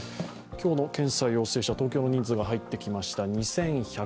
今日の検査陽性者、東京の人数が入ってきました。